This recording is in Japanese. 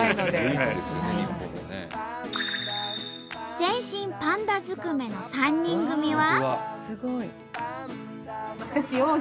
全身パンダずくめの３人組は。